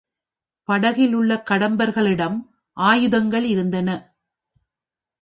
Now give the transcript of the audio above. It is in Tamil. படகிலுள்ள கடம்பர்களிடம் ஆயுதங்கள் இருந்தன.